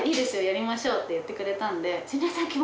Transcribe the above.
やりましょう」って言ってくれたんで。